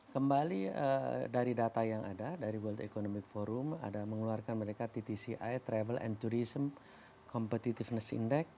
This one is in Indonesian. kembali dari data yang ada dari world economic forum ada mengeluarkan mereka ttci travel and tourism competitiveness index